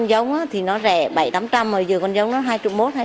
điều này khiến cho người chăn nuôi gặp nhiều khó khăn